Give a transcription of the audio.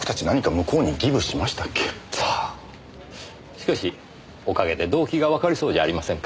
しかしおかげで動機がわかりそうじゃありませんか。